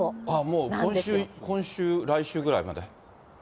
もう、今週、来週ぐらいまで？